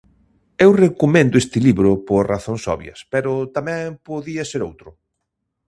Eu recomendo este libro, por razóns obvias, pero tamén podía ser outro.